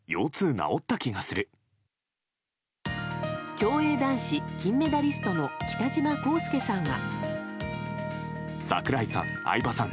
競泳男子金メダリストの北島康介さんは。